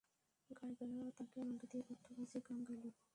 গায়িকারা তাকে আনন্দ দিয়ে বাদ্য বাজিয়ে গান গাইল।